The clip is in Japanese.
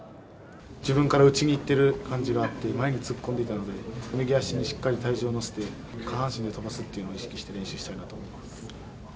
自分から打ちにいってる感じがあって、前に突っ込んでいたので、右足にしっかり体重を乗せて、下半身で飛ばすっていうのを意識して練習したいなと思います。